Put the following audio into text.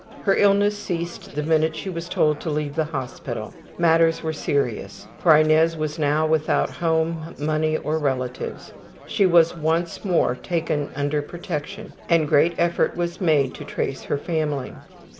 Her illness ceased the minute she was told to leave the hospital. Matters were serious, for Inez was now without home, money, or relatives. She was once more taken under protection and greater effort was made to trace her family.